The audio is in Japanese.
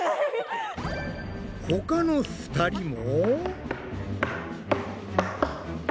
ほかの２人も。